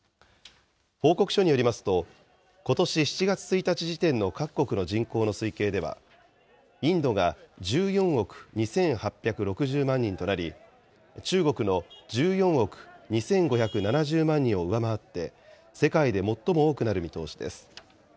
報告書によりますと、ことし７月１日時点の各国の人口の推計では、インドが１４億２８６０万人となり、中国の１４億２５７０万人を上回って、世界で最も多くなる見通しです。